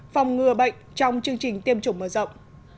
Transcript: phòng ngừa bệnh trong chương trình tiêm chủng mở rộng